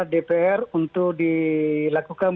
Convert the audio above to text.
dpr untuk dilakukan